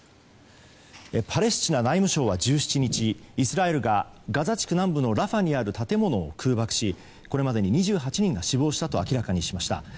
パレスチナ内務省は１７日イスラエルがガザ地区南部のラファにある建物を空爆しこれまでに２８人が死亡したと明らかにしました。